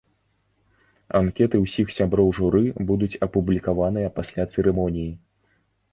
Анкеты ўсіх сяброў журы будуць апублікаваныя пасля цырымоніі.